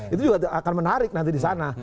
itu juga akan menarik nanti disana